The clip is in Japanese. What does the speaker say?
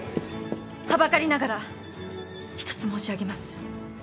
はばかりながら一つ申し上げます。